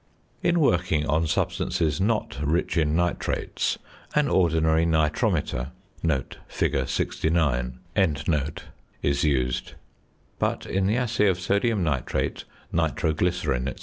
In working on substances not rich in nitrates, an ordinary nitrometer (fig. 69) is used; but in the assay of sodium nitrate, nitroglycerine, &c.